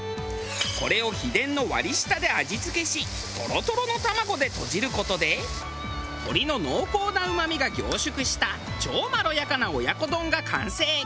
これを秘伝の割下で味付けしトロトロの卵でとじる事で鶏の濃厚なうまみが凝縮した超まろやかな親子丼が完成。